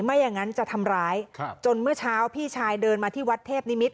ไม่อย่างนั้นจะทำร้ายจนเมื่อเช้าพี่ชายเดินมาที่วัดเทพนิมิตร